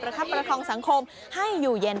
คับประคองสังคมให้อยู่เย็น